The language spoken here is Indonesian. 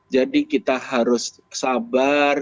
jadi kita harus sabar